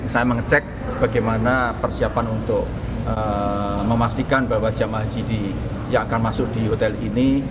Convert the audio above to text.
saya mengecek bagaimana persiapan untuk memastikan bahwa jemaah haji yang akan masuk di hotel ini